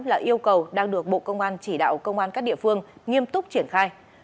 là yêu cầu đang được bộ công an chỉ đạo công an các địa phương nghiêm túc triển khai